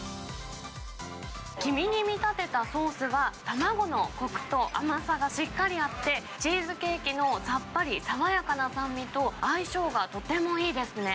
黄身に見立てたソースは、卵のこくと甘さがしっかりあって、チーズケーキのさっぱり爽やかな酸味と相性がとてもいいですね。